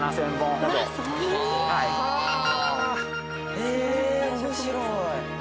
へえ面白い。